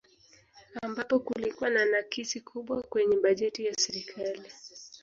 Ambapo kulikuwa na nakisi kubwa kwenye bajeti ya serikali